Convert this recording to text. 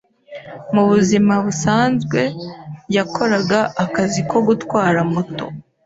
mu buzima busanzwe yakoraga akazi ko gutwara moto